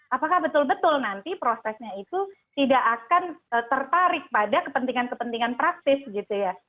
apakah betul betul nanti prosesnya itu tidak akan tertarik pada kepentingan kepentingan praktis gitu ya